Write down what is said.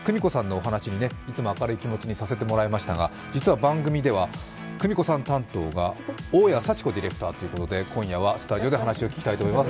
お話にいつも明るい感じにさせてもらいましたが実は番組では久美子さん担当が大家幸子ディレクターということで今夜はスタジオで話を聞きたいと思います。